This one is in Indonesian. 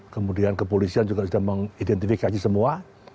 kemudian kepolisian juga sudah mengidentifikasi semua